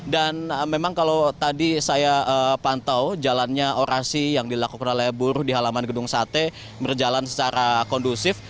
dan memang kalau tadi saya pantau jalannya orasi yang dilakukan oleh buruh di halaman gedung sate berjalan secara kondusif